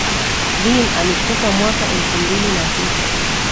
dean alikufa mwaka elfu mbili na tisa